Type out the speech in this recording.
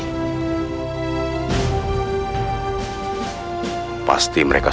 pasti mereka sudah mencuri